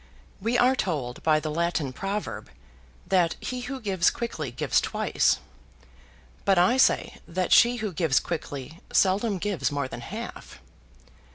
We are told by the Latin proverb that he who gives quickly gives twice; but I say that she who gives quickly seldom gives more than half.